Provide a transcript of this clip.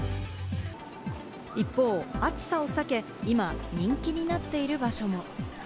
一方、暑さを避け、今、人気になっている場所も。